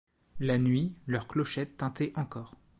La nuit, leurs clochettes tintaient encore.